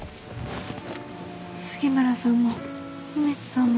杉村さんも梅津さんも。